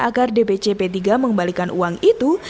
agar dpc p tiga mengembalikan uang itu